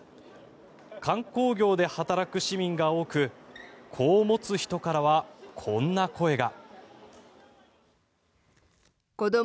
観光業で働く市民が多く子を持つ人からはこんな声が。